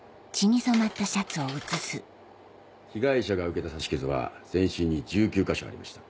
被害者が受けた刺し傷は全身に１９か所ありました。